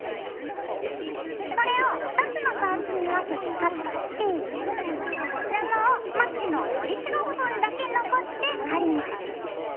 それを２つのパーツに分けてカットして布をまちののりしろ部分だけ残して貼ります。